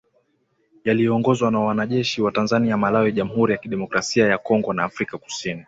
yaliyoongozwa na wanajeshi wa Tanzania Malawi jamhuri ya kidemokrasia ya Kongo na Afrika kusini